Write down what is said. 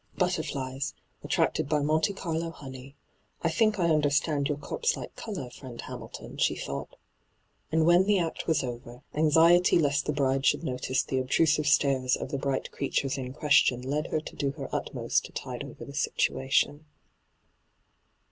' Butterflies — attracted by Monte Carlo honey. I think I underatand your corpse like colour, friend Hamilton,' she thought. And when the act was over, anxiety lest the bride should notice the obtrusive stares of the bright creatures in question D,gt,, 6rtbyGOOglC !7o ENTRAPPED led her to do her utmost to tide over the situatioQ.